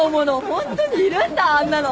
ホントにいるんだあんなの。